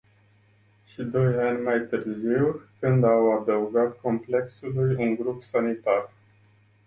Și doi ani mai târziu, când au adăugat complexului un grup sanitar.